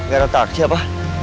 gak ada taksi apa